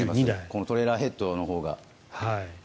このトレーラーヘッドのほうが。